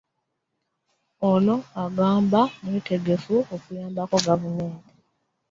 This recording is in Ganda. Ono agamba mwetegefu okuyambako gavumenti.